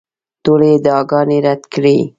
ټولې ادعاګانې رد کړې.